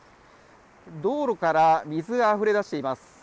道路から水があふれ出しています。